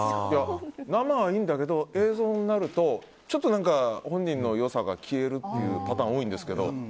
生いいんだけど、映像になるとちょっと、何か本人の良さが消えるっていうパターンが多いんですけど。